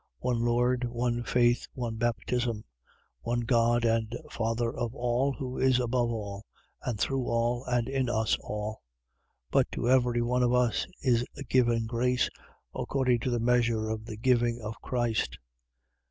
4:5. One Lord, one faith, one baptism. 4:6. One God and Father of all, who is above all, and through all, and in us all. 4:7. But to every one of us is given grace, according to the measure of the giving of Christ.